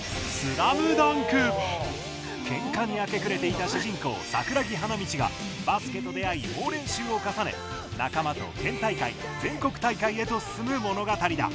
けんかに明け暮れていた主人公・桜木花道がバスケと出会い、猛練習を重ね仲間と県大会、全国大会へと進む物語だ。